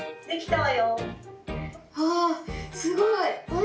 「わすごい。